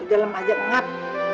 di dalam ajak ngap